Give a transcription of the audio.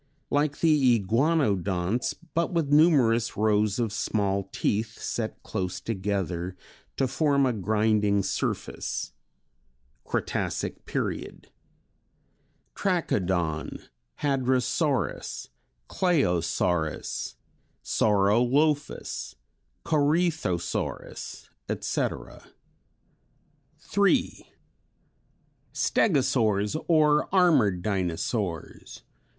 Like the Iguanodonts but with numerous rows of small teeth set close together to form a grinding surface. Cretacic period. Trachodon, Hadrosaurus, Claosaurus, Saurolophus, Corythosaurus, etc. 3. Stegosaurs or Armored Dinosaurs.